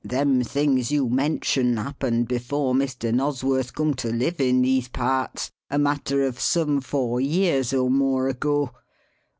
Them things you mention happened before Mr. Nosworth come to live in these parts a matter of some four years or more ago.